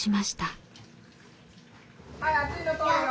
はい熱いの通るよ。